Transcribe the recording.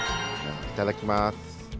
いただきます。